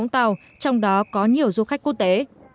trong đó có nhiều du khách quốc tế